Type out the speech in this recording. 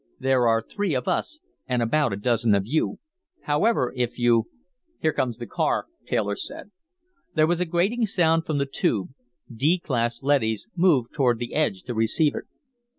There are three of us and about a dozen of you. However, if " "Here comes the car," Taylor said. There was a grating sound from the Tube. D class leadys moved toward the edge to receive it.